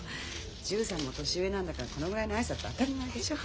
１３も年上なんだからこれぐらいの挨拶当たり前でしょ。